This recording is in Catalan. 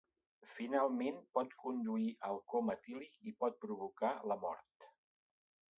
Finalment, pot conduir al coma etílic i pot provocar la mort.